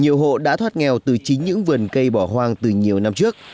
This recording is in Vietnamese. nhiều hộ đã thoát nghèo từ chính những vườn cây bỏ hoang từ nhiều năm trước